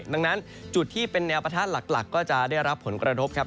ดังนั้นจุดที่เป็นแนวปะทะหลักก็จะได้รับผลกระทบครับ